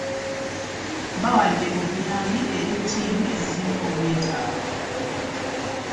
Bawadde obuyambi eri tiimu ezisinga obwetaavu